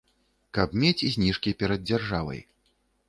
Каб мець зніжкі перад дзяржавай.